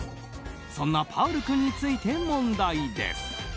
そんなパウル君について問題です。